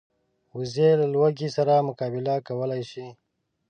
وزې له لوږې سره مقابله کولی شي